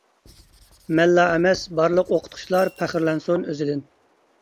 مەنلا ئەمەس، بارلىق ئوقۇتقۇچىلار پەخىرلەنسۇن ئۆزىدىن.